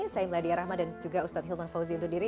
saya meladia rahma dan juga ustadz hilman fauzi undur diri